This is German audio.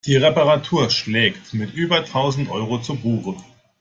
Die Reparatur schlägt mit über tausend Euro zu Buche.